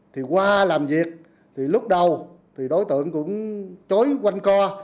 thì qua làm việc thì lúc đầu thì đối tượng cũng chối quanh co